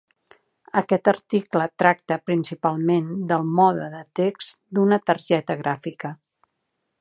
Aquest article tracta principalment del mode de text d'una targeta gràfica.